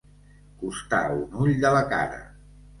Costar un ull de la cara.